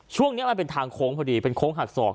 ช่วงนี้มันเป็นทางโค้งพอดีเป็นโค้งหักศอก